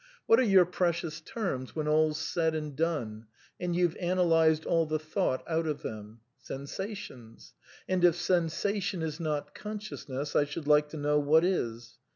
What are your precious terms when all's said and done^ and you've analysed aU the thought out of them? Sensations; and if sensation is not con sciousness I should like to know what is.